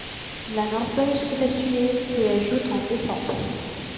La Norvège et la Suède s’y ajoutent en décembre.